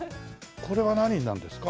これは何になるんですか？